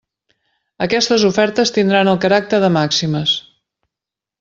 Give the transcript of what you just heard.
Aquestes ofertes tindran el caràcter de màximes.